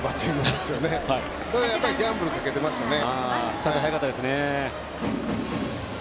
ただ、ギャンブルかけてましたね。